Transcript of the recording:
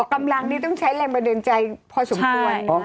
กำลังนี่ต้องใช้แรงบันดาลใจพอสมควร